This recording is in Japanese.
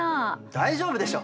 大丈夫でしょ！